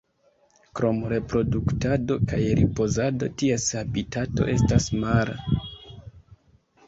Krom reproduktado kaj ripozado, ties habitato estas mara.